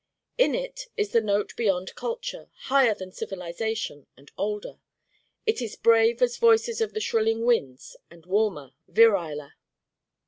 In it is the note beyond culture, higher than civilization, and older. It is brave as voices of the shrilling winds and warmer, viriler.